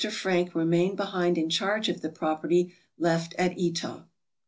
Francke remained behind in charge of the property left at Etah.